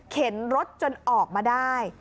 เข็นรถจนออกมาได้